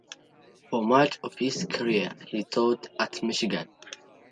For much of his career he taught at Michigan.